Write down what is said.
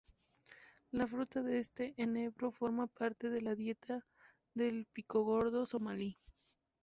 La fruta de este enebro forma parte de la dieta del picogordo somalí.